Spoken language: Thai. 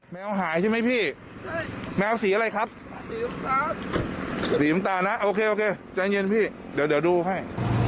แมวหายใช่ไหมพี่แมวสีอะไรครับสีน้ำตาลนะโอเคโอเคใจเย็นพี่เดี๋ยวดูให้